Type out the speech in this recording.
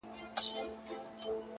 پر ټول جهان دا ټپه پورته ښه ده؛